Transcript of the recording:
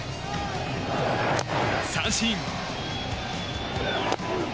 三振。